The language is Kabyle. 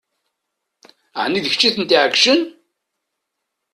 Ɛni d kečč i ten-iɛeggcen?